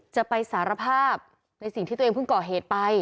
จะไปสารภาพในสิ่งที่ตัวเองเพิ่งก่อเหตุไป